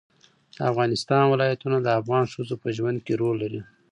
د افغانستان ولايتونه د افغان ښځو په ژوند کې رول لري.